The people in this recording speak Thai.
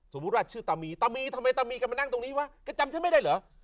สมมุดว่าชื่อตามีตามีทำไมตามีคำมานั่งตรงนี้ก็จำชั้นไม่ได้หรือ